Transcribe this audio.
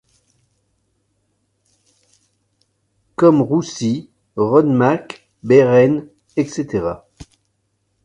Comme Roussy, Rodemack, Beyren, etc.